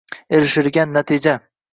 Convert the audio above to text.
erishiladigan natija.